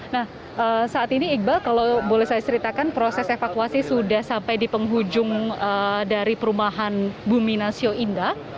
nah saat ini iqbal kalau boleh saya ceritakan proses evakuasi sudah sampai di penghujung dari perumahan bumi nasio indah